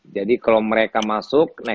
jadi kalau mereka masuk naik